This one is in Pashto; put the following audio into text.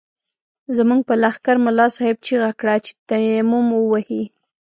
زموږ په لښکر ملا صاحب چيغه کړه چې تيمم ووهئ.